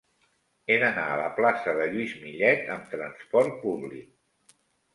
He d'anar a la plaça de Lluís Millet amb trasport públic.